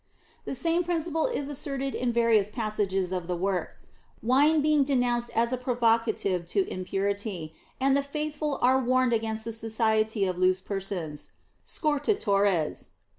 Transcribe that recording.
The same principle is asserted in various passages of the work; wine being denounced as a provocation to impurity, and the faithful are warned against the society of lewd persons (scortatores).